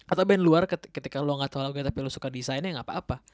atau band luar ketika lu nggak tau lagunya tapi lu suka desainnya nggak apa apa